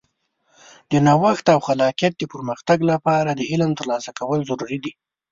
د نوښت او خلاقیت د پرمختګ لپاره د علم ترلاسه کول ضروري دي.